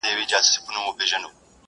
يو ديدن يې دئ وروستى ارمان راپاته؛